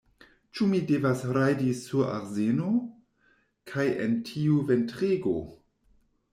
Ĉu mi devas rajdi sur azeno? kaj en tiu ventrego?